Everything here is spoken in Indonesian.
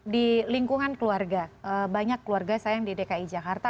di lingkungan keluarga banyak keluarga saya yang di dki jakarta